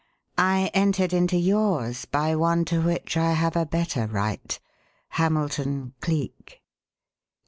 I entered into yours by one to which I have a better right Hamilton Cleek!"